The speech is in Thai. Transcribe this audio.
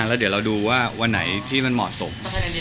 แล้วเดี๋ยวเราดูว่าวันไหนที่มันเหมาะสม